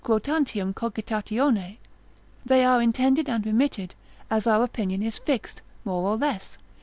grotantium cogitatione, they are intended and remitted, as our opinion is fixed, more or less.